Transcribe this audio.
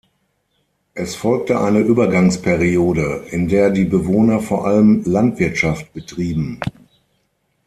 Es folgte eine Übergangsperiode, in der die Bewohner vor allem Landwirtschaft betrieben.